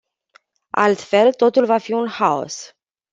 Altfel, totul va fi un haos.